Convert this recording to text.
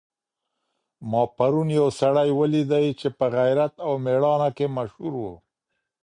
ما پرون یو سړی ولیدی چي په غیرت او مېړانه کي مشهور و.